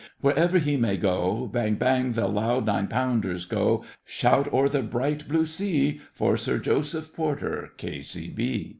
Wherever he may go Bang bang the loud nine pounders go! Shout o'er the bright blue sea For Sir Joseph Porter, K.C.